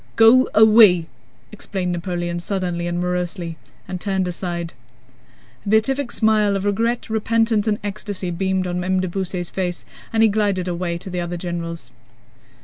"Go away..." exclaimed Napoleon suddenly and morosely, and turned aside. A beatific smile of regret, repentance, and ecstasy beamed on M. de Beausset's face and he glided away to the other generals.